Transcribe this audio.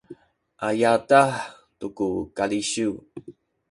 a yadah tu ku kalisiw